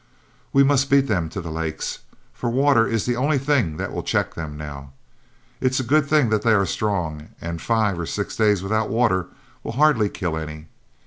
We must beat them to the lakes, for water is the only thing that will check them now. It's a good thing that they are strong, and five or six days without water will hardly kill any.